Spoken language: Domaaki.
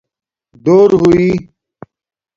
ڈور ہوئ